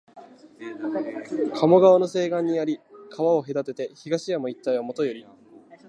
加茂川の西岸にあり、川を隔てて東山一帯はもとより、